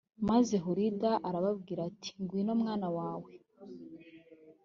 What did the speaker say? maze hulida arababwira ati ngwino mwana wawe